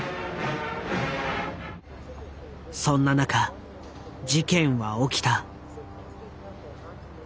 そんな中事件は起きた。